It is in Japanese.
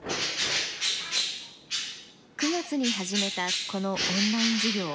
９月に始めたこのオンライン授業。